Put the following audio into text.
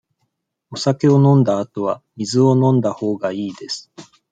お酒を飲んだあとは、水を飲んだほうがいいです。